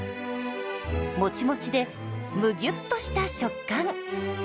もちもちでむぎゅっとした食感。